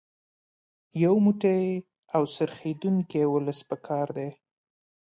یو موټی او سرښندونکی ولس په کار دی.